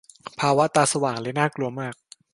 ภาวะ "ตาสว่าง" เลยน่ากลัวมาก